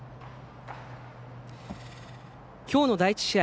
きょうの第１試合